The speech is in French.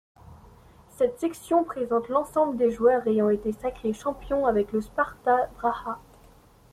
Cette section présente l'ensemble des joueurs ayant été sacré champions avec le Sparta Praha.